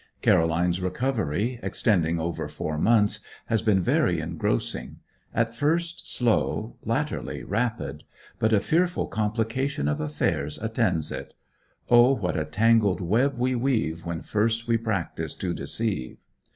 Caroline's recovery, extending over four months, has been very engrossing; at first slow, latterly rapid. But a fearful complication of affairs attends it! O what a tangled web we weave When first we practise to deceive!